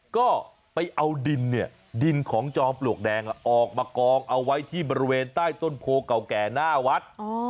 ก็ไปเอาดินเนี่ยดินของจอมปลวกแดงออกมากองเอาไว้ที่บริเวณใต้ต้นโพเก่าแก่หน้าวัด